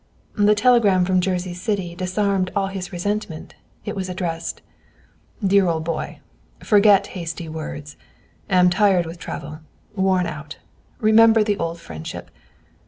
The telegram from Jersey City disarmed all his resentment. It was addressed: "Dear Old Boy: Forget hasty words. Am tired with travel; worn out. Remember the old friendship.